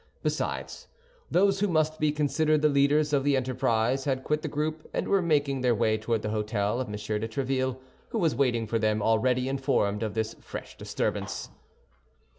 Besides, those who must be considered the leaders of the enterprise had quit the group and were making their way toward the hôtel of M. de Tréville, who was waiting for them, already informed of this fresh disturbance.